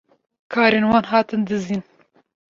kerên wan hatin dizîn